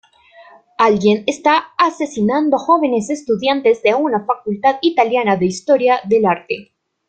Alguien está asesinando jóvenes estudiantes de una facultad italiana de Historia del Arte.